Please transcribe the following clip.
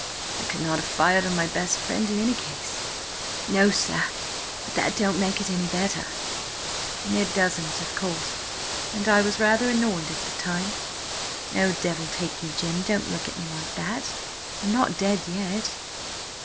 I could not have fired on my best friend in any case." "No, sir, but that don't make it any better." "It doesn't, of course, and I was rather annoyed at the time–Oh, devil take you, Jim, don't look at me like that! I'm not dead yet!"